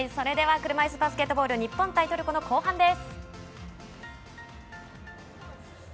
車いすバスケットボール日本対トルコの後半です。